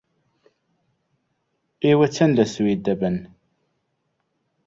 ئێوە چەند لە سوید دەبن؟